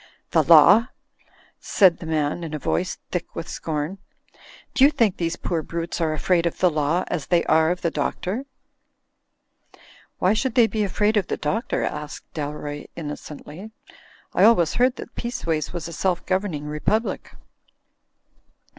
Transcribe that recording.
"The Law!" said the man, in a voice thick with scorn. "Do you think these poor brutes are afraid of the Law as they are of the Doctor?" "Why should they be afraid of the Doctor?" asked Dalroy, innocently. "I always heard that Peaceways was a self governing republic."